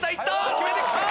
決めてきた！